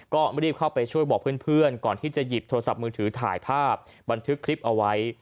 ก็รีบเข้าไปช่วยบอกเพื่อนก่อนที่จะหยิบโทรศัพท์มือถือถ่ายภาพบันทึกคลิปเอาไว้